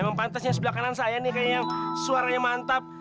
emang pantasnya sebelah kanan saya nih kayaknya yang suaranya mantap